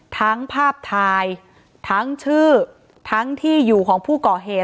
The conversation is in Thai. ทั้งภาพถ่ายทั้งชื่อทั้งที่อยู่ของผู้ก่อเหตุ